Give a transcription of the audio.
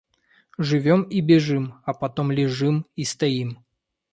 Живём и бежим, а потом лежим и стоим.